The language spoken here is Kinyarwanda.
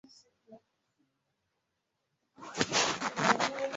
Ntiyanyemereye kwishyura fagitire yo kurya.